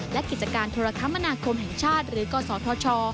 และกิจการโทรคมนาคมแห่งชาติหรือกศธช